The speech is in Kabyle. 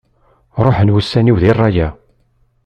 Ruḥen wussan-iw di rrayeε.